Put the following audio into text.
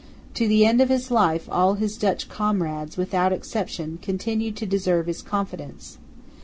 To the end of his life all his Dutch comrades, without exception, continued to deserve his confidence.